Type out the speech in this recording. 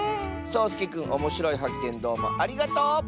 そうすけくんおもしろいはっけんどうもありがとう！